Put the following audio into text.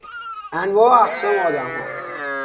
انواع و اقسام آدمها